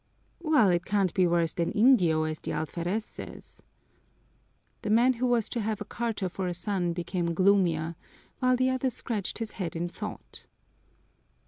"Well, it can't be worse than 'indio,' as the alferez says." The man who was to have a carter for a son became gloomier, while the other scratched his head in thought.